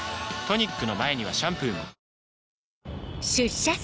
トニックの前にはシャンプーもあれ？